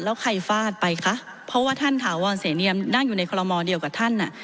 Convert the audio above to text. แล้วใครฟาดไปคะเพราะว่าท่านถาวรเสนียมนั่งอยู่ในคอลโมเดียวกับท่านอ่ะ